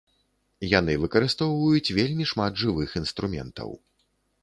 Яны выкарыстоўваюць вельмі шмат жывых інструментаў.